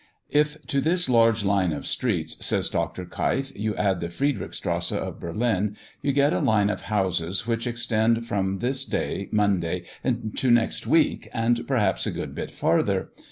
"If to this large line of streets," says Dr. Keif, "you add the Friedrichstrasse of Berlin, you get a line of houses which extend from this day, Monday, into next week, and perhaps a good bit farther.